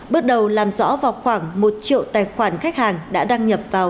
bước đầu làm rõ vào khoảng một triệu tài khoản khách hàng đã đăng nhập vào